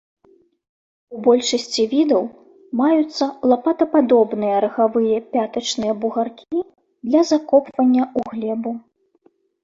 У большасці відаў маюцца лапатападобныя рагавыя пятачныя бугаркі для закопвання ў глебу.